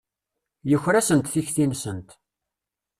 Yuker-asent tikti-nsent.